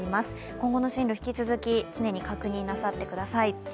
今後の進路、引き続き常に確認なさってください。